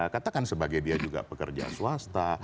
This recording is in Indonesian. katakan sebagai dia juga pekerja swasta